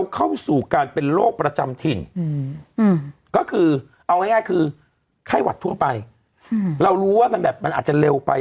ก็กินฟ้าทะลายโจรไป